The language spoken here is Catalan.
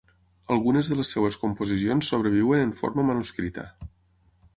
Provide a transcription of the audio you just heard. Algunes de les seves composicions sobreviuen en forma manuscrita.